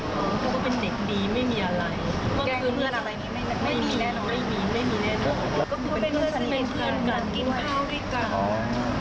เป็นคืออยู่ในกลุ่มที่เราอยู่ในกลุ่มเดียวกัน